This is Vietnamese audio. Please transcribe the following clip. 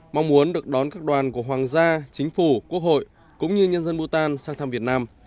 mong muốn được đón các đoàn của hoàng gia chính phủ quốc hội cũng như nhân dân bhan sang thăm việt nam